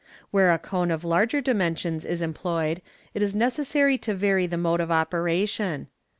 Where a cone of larger dimensions is employed, it is necessary to vary the mode of operation.